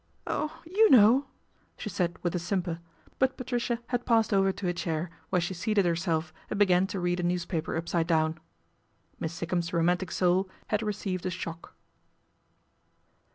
" Oh, you know," she said with a simper, but Patricia had passed over to a chair, where she seated herself and began to read a newspaper upside down. Miss Sikkum's romantic soul had received a shock.